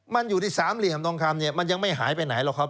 มันอยู่ที่สามเหลี่ยมทองคำเนี่ยมันยังไม่หายไปไหนหรอกครับ